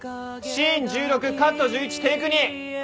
シーン１６カット１１テイク２。